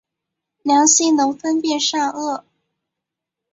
良心能分辨善恶。